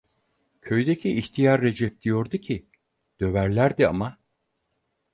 Köydeki ihtiyar Recep diyordu ki: "Döverlerdi ama".